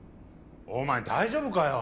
お前大丈夫かよ？